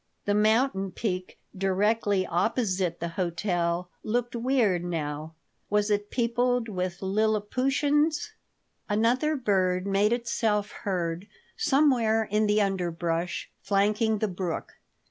The mountain peak directly opposite the hotel looked weird now. Was it peopled with Liliputians? Another bird made itself heard somewhere in the underbrush flanking the brook.